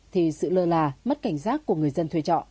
thì sự lơ là mất cảnh giác của người dân thuê trọ